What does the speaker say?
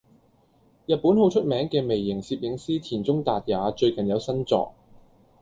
日本好出名嘅微型攝影師田中達也最近有新作